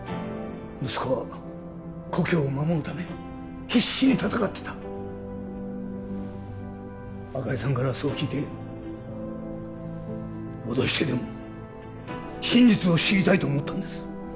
息子は故郷を守るために必死に戦ってた朱里さんからそう聞いて脅してでも真実を知りたいと思ったんです